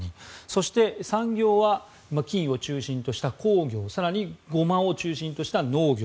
そして、産業は金を中心とした鉱業更に、ゴマを中心とした農業。